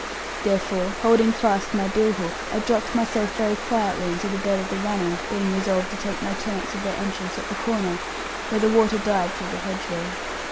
Therefore, holding fast my bill hook, I dropped myself very quietly into the bed of the runnel, being resolved to take my chance of their entrance at the corner, where the water dived through the hedge row.